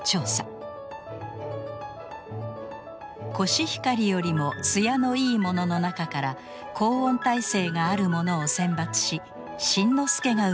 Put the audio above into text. コシヒカリよりも艶のいいものの中から高温耐性があるものを選抜し新之助が生まれました。